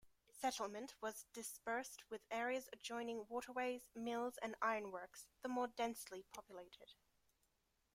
Settlement was disbursed, with areas adjoining waterways, mills, and ironworks, the more densely populated.